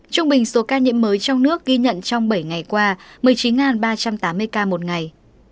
trung bình số ca nhiễm mới trong nước ghi nhận trong bảy ngày qua một mươi chín ba trăm tám mươi ca một ngày